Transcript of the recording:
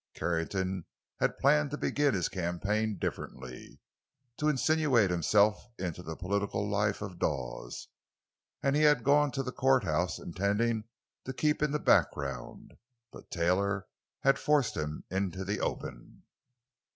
Carrington had planned to begin his campaign differently, to insinuate himself into the political life of Dawes; and he had gone to the courthouse intending to keep in the background, but Taylor had forced him into the open.